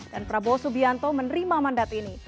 dan prabowo subianto menerima mandat ini